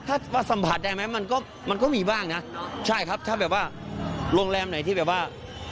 ถ้าว่าสัมผัสได้ไหมมันก็มันก็มีบ้างนะใช่ครับถ้าแบบว่าโรงแรมไหนที่แบบว่า